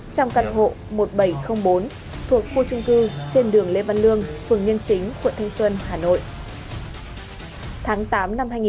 trong căn hộ một nghìn bảy trăm linh bốn thuộc khu trung cư trên đường lê văn lương phường nhân chính quận thanh xuân hà nội